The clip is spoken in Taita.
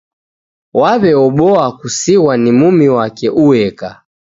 Waw'eboa kusighwa ni mumi wake ueka